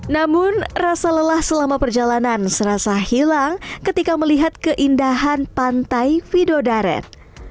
namun rasa lelah selama perjalanan serasa hilang ketika melihat keindahan pantai vido daret